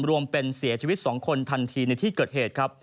รวมเป็นเสียชีวิต๒คนทันทีในที่เกิดเหตุครับ